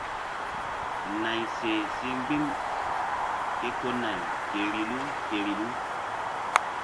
Nayri seh si mgbi̧m ke ko nay vbilu ke vbilu.